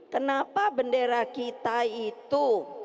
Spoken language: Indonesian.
kenapa bendera kita itu